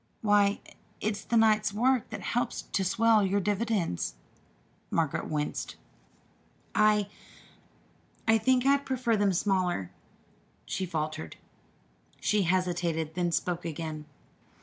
Why, it's the night work that helps to swell your dividends." Margaret winced. "I I think I'd prefer them smaller," she faltered. She hesitated, then spoke again.